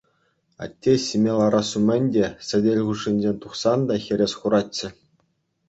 Атте ҫиме ларас умӗн те, сӗтел хушшинчен тухсан та хӗрес хуратчӗ.